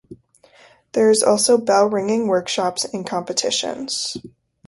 There were also bell-ringing workshops and competitions.